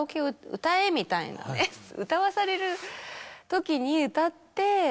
みたいなね歌わされるときに歌って。